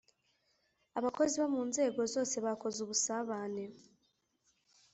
abakozi bo mu nzego zose bakoze ubusabane